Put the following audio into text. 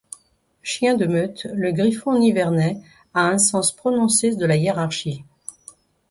Chien de meute, le griffon nivernais a un sens prononcé de la hiérarchie.